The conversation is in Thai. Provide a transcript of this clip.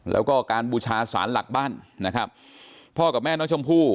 แล้วก็การบูชาสารหลักบ้านนะครับพ่อกับแม่น้องชมพู่